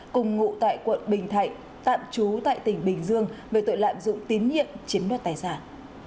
cùng ngụ tại quận bình thạnh tạm trú tại tỉnh bình dương về tội lạm dụng tín nhiệm chiếm đoạt tài sản